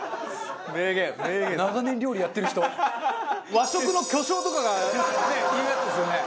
和食の巨匠とかがね言うやつですよね。